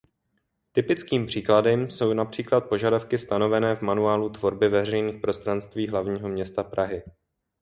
Typickým příkladem jsou například požadavky stanovené v Manuálu tvorby veřejných prostranství hlavního města Prahy.